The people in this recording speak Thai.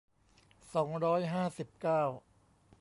สองร้อยห้าสิบเก้า